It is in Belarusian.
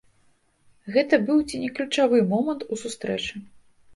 Гэта быў ці не ключавы момант у сустрэчы.